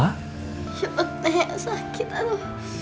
siapa teh yang sakit anu